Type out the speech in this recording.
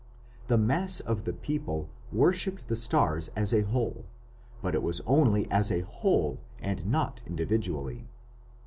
The mass of the people worshipped the stars as a whole, but it was only as a whole and not individually."